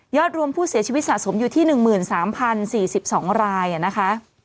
รวมผู้เสียชีวิตสะสมอยู่ที่๑๓๐๔๒รายนะคะ